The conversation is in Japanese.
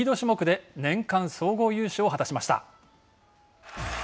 安楽宙斗選手が、リード種目で年間総合優勝を果たしました。